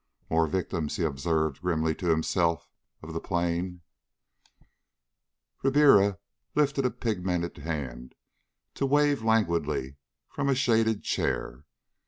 "More victims," he observed grimly to himself, of the plane. Ribiera lifted a pigmented hand to wave languidly from a shaded chair.